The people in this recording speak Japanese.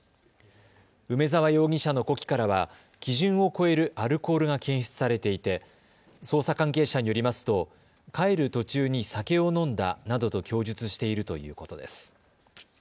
梅澤容疑者の呼気からは基準を超えるアルコールが検出されていて捜査関係者によりますと帰る途中に酒を飲んだなどと供述しているということです。